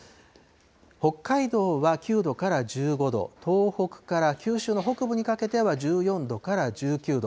北海道は９度から１５度、東北から九州の北部にかけては１４度から１９度。